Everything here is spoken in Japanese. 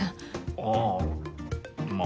ああまあ。